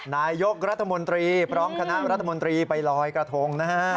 นายกรัฐมนตรีพร้อมคณะรัฐมนตรีไปลอยกระทงนะฮะ